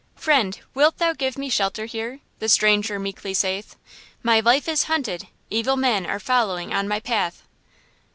"Friend wilt thou give me shelter here? The stranger meekly saith My life is hunted! evil men Are following on my path."